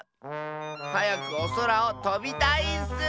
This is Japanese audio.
はやくおそらをとびたいッス！